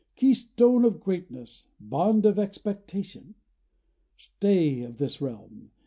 Keystone of greatness, bond of expectation, Stay of this realm!